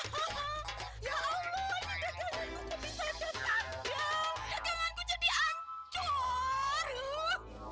bisa jatah ya